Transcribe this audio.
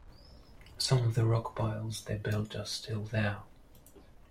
Some of the rock piles they built are still there.